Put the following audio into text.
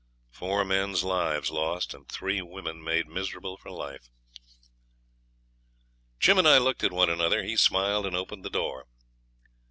Four men's lives lost, and three women made miserable for life. Jim and I looked at one another. He smiled and opened the door.